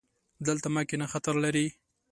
دلته مه کښېنه، خطر لري